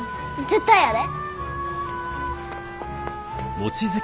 絶対やで。